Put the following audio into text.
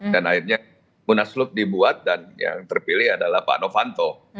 dan akhirnya munaslup dibuat dan yang terpilih adalah pak novanto